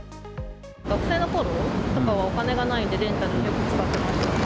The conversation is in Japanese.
学生のころとかはお金がないんで、レンタル、よく使ってました。